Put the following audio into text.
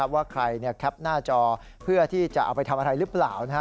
ว่าใครแคปหน้าจอเพื่อที่จะเอาไปทำอะไรหรือเปล่า